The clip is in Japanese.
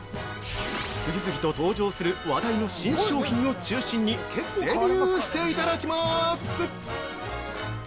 次々と登場する話題の新商品を中心にデビューしていただきます！